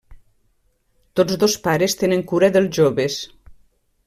Tots dos pares tenen cura dels joves.